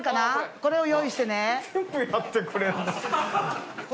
これを用意してね